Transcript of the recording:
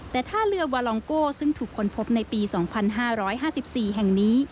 แต่ท่าเรือวาลองโก้ซึ่งถูกค้นพบในปี๒๕๕๔แห่งนี้